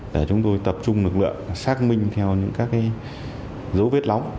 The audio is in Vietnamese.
để chúng tôi tập trung lực lượng xác minh theo những dấu vết lóng